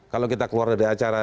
kalau kita keluar dari acara